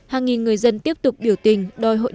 hàng nghìn người dân tiếp tục biểu tình